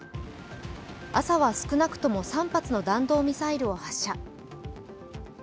朝は少なくとも３発の弾道ミサイルを発射。